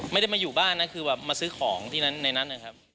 ไม่ได้มาอยู่บ้านนะคือมาซื้อของที่นั้นในนั้น